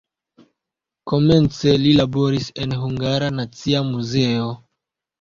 Komence li laboris en Hungara Nacia Muzeo.